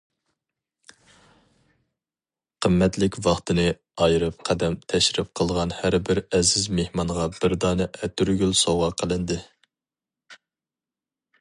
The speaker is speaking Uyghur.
قىممەتلىك ۋاقتىنى ئايرىپ قەدەم تەشرىپ قىلغان ھەربىر ئەزىز مېھمانغا بىر دانە ئەتىرگۈل سوۋغا قىلىندى.